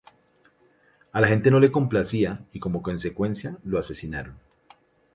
A la gente no le complacía, y como consecuencia, lo asesinaron.